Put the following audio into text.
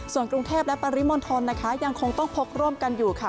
ส่วนกรุงเทพและปริมณฑลนะคะยังคงต้องพกร่วมกันอยู่ค่ะ